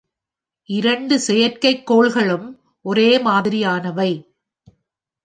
இரண்டு செயற்கைக்கோள்களும் ஒரே மாதிரியானவை.